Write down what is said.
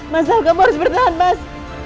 mas al kamu harus bertahan mas